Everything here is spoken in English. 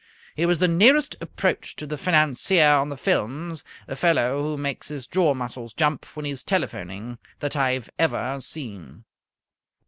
He was the nearest approach to the financier on the films, the fellow who makes his jaw muscles jump when he is telephoning, that I have ever seen.